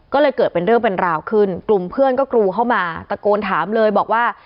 ก็เลยเกิดเป็นเรื่องเป็นราวขึ้นกลุ่มเพื่อนก็กรูเข้ามาตะโกนถามเลยบอกว่า